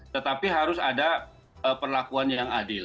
tetapi harus ada perlakuan yang adil